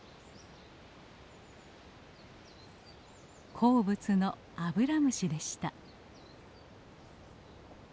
好物のアブラムシでした。